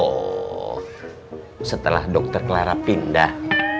oh setelah dokter clara pindah